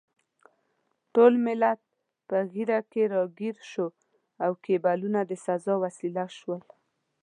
ټول ملت په ږیره کې راګیر شو او کیبلونه د سزا وسیله شول.